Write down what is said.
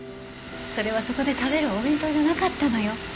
それはそこで食べるお弁当じゃなかったのよ。